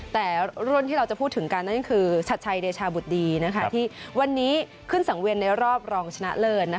แต่รุ่นที่เราจะพูดถึงกันนั่นก็คือชัดชัยเดชาบุตรดีที่วันนี้ขึ้นสังเวียนในรอบรองชนะเลิศ